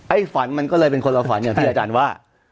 ฝันมันก็เลยเป็นคนละฝันอย่างที่อาจารย์ว่า